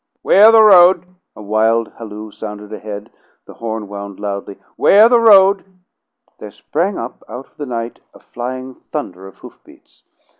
"'Ware the road!" A wild halloo sounded ahead. The horn wound loudly. "'Ware the road!" There sprang up out of the night a flying thunder of hoof beats.